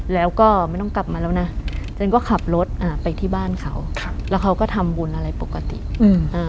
แล้วก็ไม่ต้องกลับมาแล้วนะฉันก็ขับรถอ่าไปที่บ้านเขาครับแล้วเขาก็ทำบุญอะไรปกติอืมอ่า